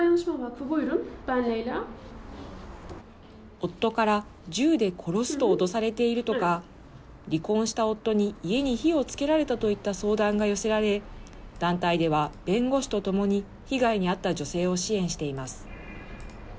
夫から銃で殺すと脅されているとか、離婚した夫に家に火をつけられたといった相談が寄せられ、団体では弁護士と共に被害に遭った女性を支援しています。